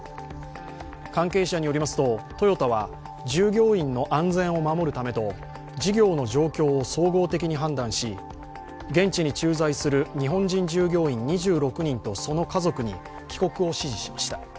関係者によりますと、トヨタは従業員の安全を守るためと事業の状況を総合的に判断し現地に駐在する日本人従業員２６人とその家族に帰国を指示しました。